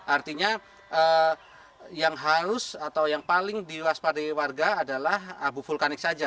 artinya yang harus atau yang paling diwaspadai warga adalah abu vulkanik saja